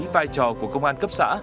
vai trò của công an cấp xã